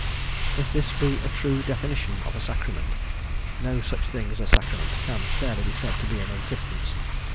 If this be a true definition of a sacrament, no such thing as a sacrament can fairly be said to be in existence.